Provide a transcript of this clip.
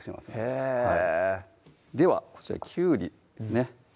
へぇではこちらきゅうりですね